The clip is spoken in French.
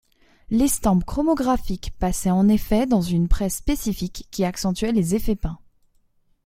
L'estampe chromographique passait en effet dans une presse spécifique qui accentuait les effets peints.